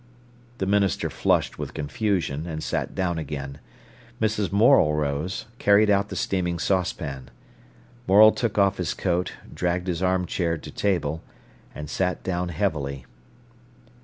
The minister flushed with confusion, and sat down again. Mrs. Morel rose, carried out the steaming saucepan. Morel took off his coat, dragged his armchair to table, and sat down heavily.